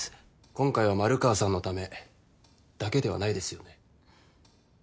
今回は丸川さんのためだけではないですよね？